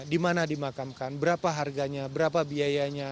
di mana dimakamkan berapa harganya berapa biayanya